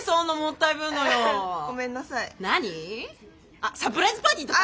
あっサプライズパーティーとか？